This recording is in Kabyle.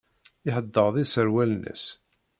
Iḥedded iserwalen-nnes.